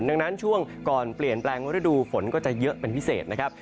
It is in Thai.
ดังนั้นช่วงก่อนเปลี่ยนแปลงฤดูฝนก็จะเยอะเป็นพิเศษนะครับ